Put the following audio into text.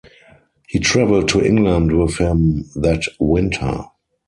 He traveled to England with him that winter.